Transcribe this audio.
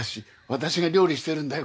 私が料理してるんだよ